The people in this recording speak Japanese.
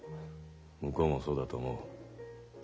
向こうもそうだと思う。